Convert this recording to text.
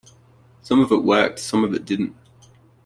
Some of it worked and some of it didn't.